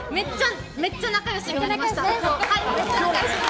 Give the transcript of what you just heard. めっちゃ仲良しになりました！